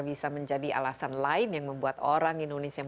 bisa menjadi alasan lain yang membuat orang indonesia